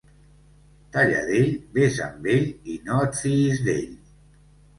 Talladell, ves amb ell i no et fiïs d'ell.